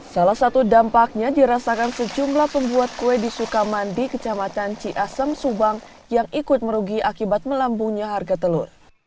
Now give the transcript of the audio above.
salah satu dampaknya dirasakan sejumlah pembuat kue di sukamandi kecamatan ciasem subang yang ikut merugi akibat melambungnya harga telur